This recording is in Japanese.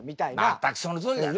全くそのとおりだな！